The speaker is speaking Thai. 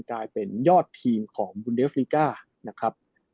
กลายเป็นยอดทีมของบุนเดสฟริกา